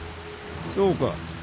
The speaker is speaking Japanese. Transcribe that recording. そうか。